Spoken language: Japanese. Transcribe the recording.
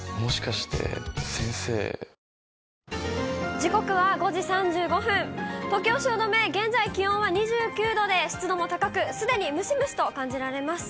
時刻は５時３５分、東京・汐留、現在、気温は２９度で、湿度も高く、すでにムシムシと感じられます。